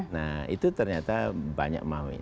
nah itu ternyata banyak maunya